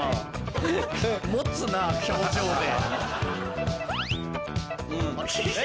持つな表情で。